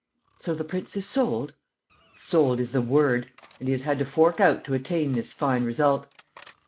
"So the prince is sold?" "Sold is the word. And he has had to fork out to attain this fine result!